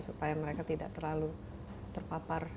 supaya mereka tidak terlalu terpapar